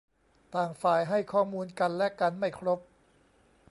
ต่างฝ่ายให้ข้อมูลกันและกันไม่ครบ